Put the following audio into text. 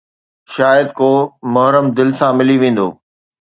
شايد ڪو محرم دل سان ملي ويندو